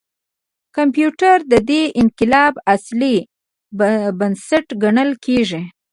کمپیوټر د دې انقلاب اصلي بنسټ ګڼل کېږي.